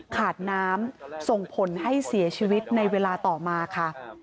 ขาดน้ำส่งผลให้เสียชีวิตในเวลาต่อมาค่ะ